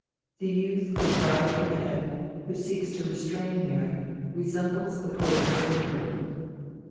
The youth with garlanded head who seeks to restrain Mary resembles the poet Swin burne.